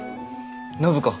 暢子。